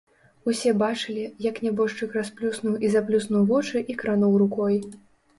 Усе бачылі, як нябожчык расплюснуў і заплюснуў вочы і крануў рукой.